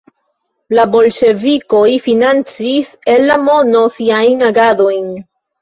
La bolŝevikoj financis el la mono siajn agadojn.